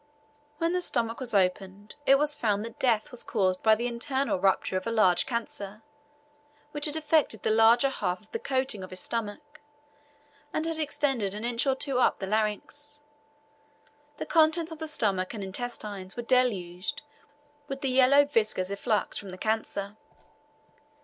When the stomach was opened, it was found that death was caused by the internal rupture of a large cancer, which had affected the larger half of the coating of his stomach, and had extended an inch or two up the larynx. The contents of the stomach and intestines were deluged with the yellow viscous efflux from the cancer.